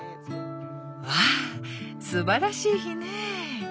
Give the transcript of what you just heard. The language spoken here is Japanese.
「わぁすばらしい日ね」。